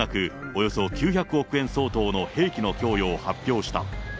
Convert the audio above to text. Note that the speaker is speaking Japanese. およそ９００億円相当の兵器の供与を発表した。